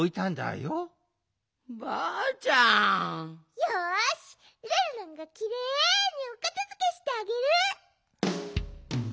よしルンルンがきれいにおかたづけしてあげる！